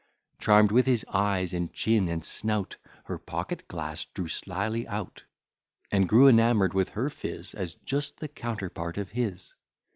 Charm'd with his eyes, and chin, and snout, Her pocket glass drew slily out; And grew enamour'd with her phiz, As just the counterpart of his.